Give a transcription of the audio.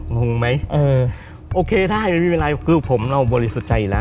งงไหมเออโอเคได้ไม่เป็นไรคือผมเราบริสุทธิ์ใจอยู่แล้ว